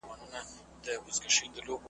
چي د ټولني واقعیتونو او د شاعراحساساتو ته .